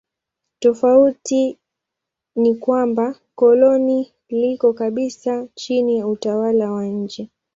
Tofauti ni kwamba koloni liko kabisa chini ya utawala wa nje.